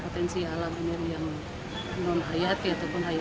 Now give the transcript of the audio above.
terima kasih pak jokowi